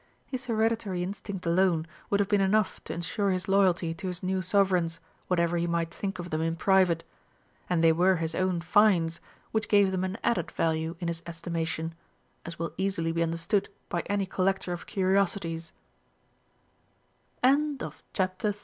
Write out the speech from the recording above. His hereditary instinct alone would have been enough to ensure his loyalty to his new Sovereigns, whatever he might think of them in private. And they were his own "finds," which gave them an added value in his estimation, as will easily be understood by any collector of curi